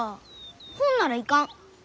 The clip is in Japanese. ほんなら行かん。